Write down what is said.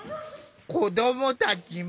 子どもたちも。